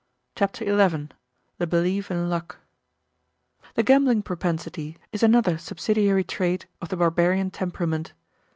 Chapter Eleven ~~ The Belief in Luck The gambling propensity is another subsidiary trait of the barbarian temperament.